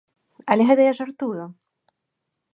Але гэта я жартую!